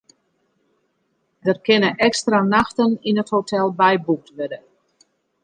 Der kinne ekstra nachten yn it hotel byboekt wurde.